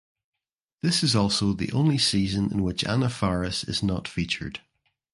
This is also the only season in which Anna Faris is not featured.